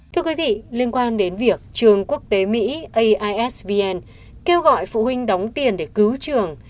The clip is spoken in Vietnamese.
thưa quý vị liên quan đến việc trường quốc tế mỹ aisvn kêu gọi phụ huynh đóng tiền để cứu trường